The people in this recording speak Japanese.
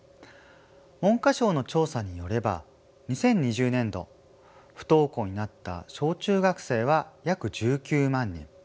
文科省の調査によれば２０２０年度不登校になった小中学生は約１９万人。